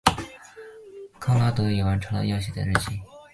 康拉德也完成了要写的日记。